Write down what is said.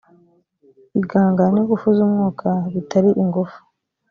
igahangana n ingufu z umwuka bitari ingufu